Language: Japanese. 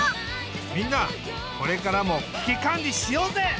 みんなこれからも危機管理しようぜ！